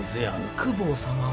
公方様は。